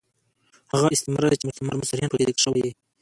هغه استعاره ده، چي مستعار منه صریحاً پکښي ذکر ىوى يي.